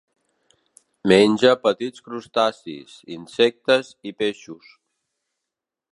Menja petits crustacis, insectes i peixos.